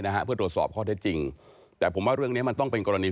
นะฮะเพื่อตรวจสอบข้อเท็จจริงแต่ผมว่าเรื่องเนี้ยมันต้องเป็นกรณี